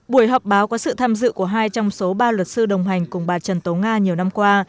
buổi họp báo có sự tham dự của hai trong số ba luật sư đồng hành cùng bà trần tố nga nhiều năm qua